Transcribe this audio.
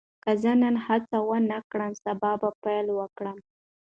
که زه نن هڅه ونه کړم، سبا به پیل وکړم.